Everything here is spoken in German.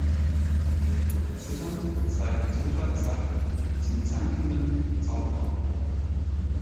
Zitternd zeigt Zora Zach zum zankenden Zauberer.